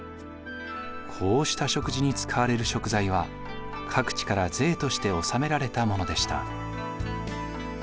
こうした食事に使われる食材は各地から税として納められたものでした。